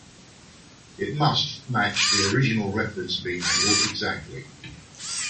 It must match the original reference beam angle exactly.